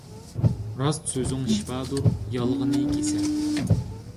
راست سۆزۈڭ شىپادۇر، يالغىنى كېسەل.